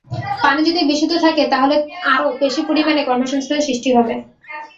পানি যদি বিশুদ্ধ থাকে তাহলে আরও বেশি পরিমাণে কর্মসংস্থান সৃষ্টি হবে।